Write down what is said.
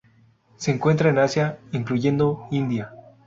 Se encuentra en Asia, incluyendo India.